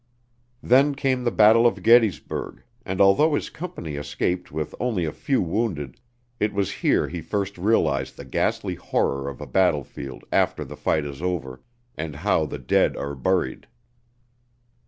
Then came the battle of Gettysburg, and although his company escaped with only a few wounded, it was here he first realized the ghastly horror of a battlefield after the fight is over, and how the dead are buried.